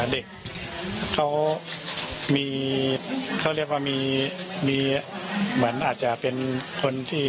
เด็กเขามีเขาเรียกว่ามีเหมือนอาจจะเป็นคนที่